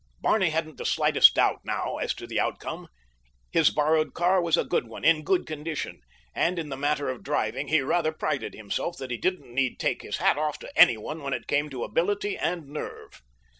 Barney hadn't the slightest doubt now as to the outcome. His borrowed car was a good one, in good condition. And in the matter of driving he rather prided himself that he needn't take his hat off to anyone when it came to ability and nerve.